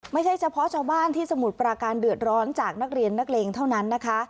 ไม่ใช่เฉพาะชาวบ้านที่สมุทรปราการเดือดร้อนจากนักเรียนนักเลงเท่านั้นนะคะ